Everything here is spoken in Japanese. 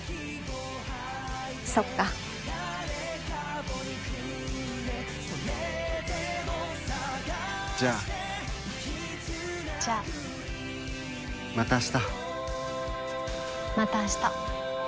そっかじゃあじゃあまた明日